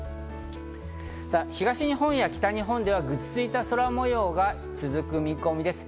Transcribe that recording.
東日本や北日本ではぐずついた空模様が続く見込みです。